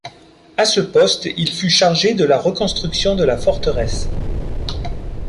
À ce poste il fut chargé de la reconstruction de la forteresse.